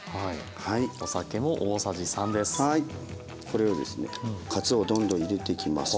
これをですねかつおをどんどん入れていきます。